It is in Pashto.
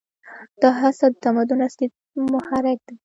دا هڅه د تمدن اصلي محرک دی.